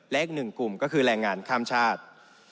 และอีกหนึ่งกลุ่มก็คือแรงงานข้ามชาติ